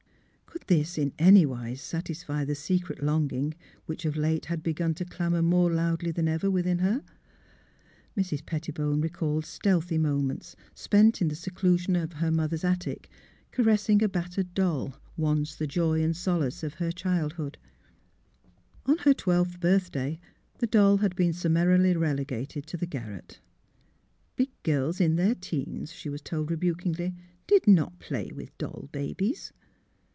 Could this in any wise satisfy the secret longing which of late had begun to clamour more loudly than ever within her? MALVINA BENNETT, DRESSMAKER 79 Mrs. Pettibone recalled stealthy moments spent in the seclusion of her mother's attic caressing a battered doll, once the joy and solace of her child hood. On her twelfth birthday the doll had been summarily relegated to the garret. '' Big girls in their teens," she was told rebukingly, " did not play with doll babies."